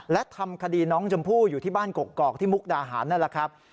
และทำคดีน้องชมพู่อยู่ที่บ้านกกอกที่มุกดาหารนั่นแหละครับ